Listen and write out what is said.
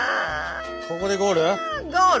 ここでゴール？